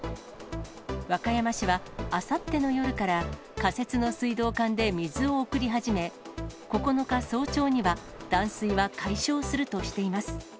和歌山市は、あさっての夜から仮設の水道管で水を送り始め、９日早朝には断水は解消するとしています。